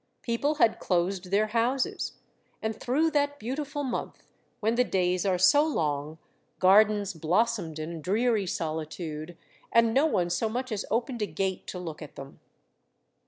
People had closed their houses, and through that beautiful month, when the days are so long, gardens blossomed in dreary solitude, and no one so much as opened a gate to look at them.